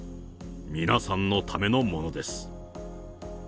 皆さんのためのものです。